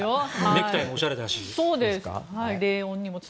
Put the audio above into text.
ネクタイもおしゃれだし。